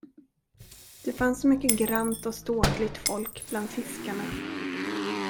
Det fanns så mycket grant och ståtligt folk bland fiskarna.